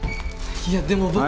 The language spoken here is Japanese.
いやでも僕。